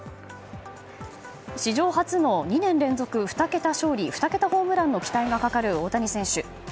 史上初の２年連続２桁勝利２桁ホームランの期待がかかる大谷選手。